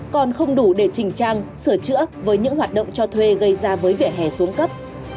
còn không đủ để trình trang sửa chữa với những hoạt động cho thuê gây ra với vỉa hè xuống cấp